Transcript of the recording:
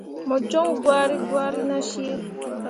Mo joŋ gwari gwari nah cii.